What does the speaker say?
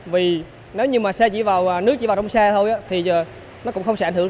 vì nếu như mà xe chỉ vào nước chỉ vào trong xe thôi thì nó cũng không sẽ ảnh hưởng